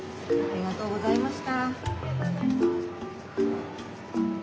ありがとうございます。